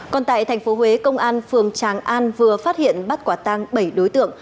còn tại tp huế công an phường tràng an vừa phát hiện bắt quả tang bảy đối tượng